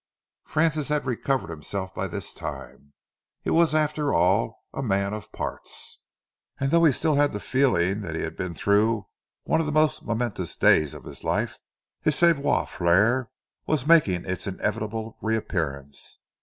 Francis had recovered himself by this time. He was after all a man of parts, and though he still had the feeling that he had been through one of the most momentous days of his life, his savoir faire was making its inevitable reappearance.